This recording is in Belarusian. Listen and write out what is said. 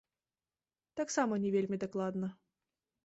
Таксама не вельмі дакладна.